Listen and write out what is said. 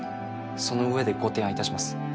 その上でご提案いたします。